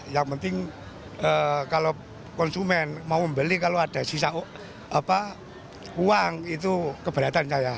yang penting kalau konsumen mau membeli kalau ada sisa uang itu keberatan saya